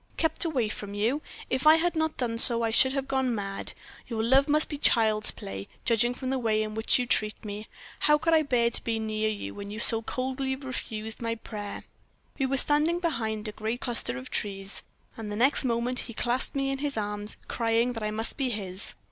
Kept away from you! If I had not done so I should have gone mad. Your love must be child's play, judging from the way in which you treat me. How could I bear to be near you, when you so coldly refused my prayer?' "We were standing behind a great cluster of trees, and the next moment he had clasped me in his arms, crying that I must be his.